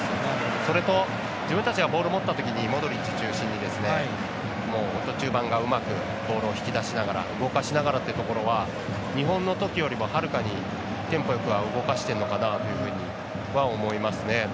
それと、自分たちがボールを持ったときにモドリッチ中心に中盤がうまくボールを引き出しながら動かしながらというところは日本のときよりもはるかにテンポよく動かしてるのかなと思いますね。